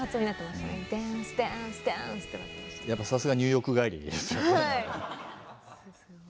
やっぱさすがニューヨーク帰りですよね。